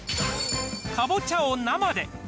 かぼちゃを生で。